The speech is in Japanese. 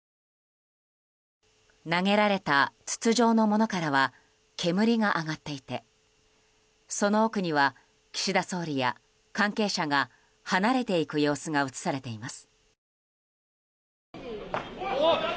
投げられた筒状のものからは煙が上がっていてその奥には、岸田総理や関係者が離れていく様子が映されています。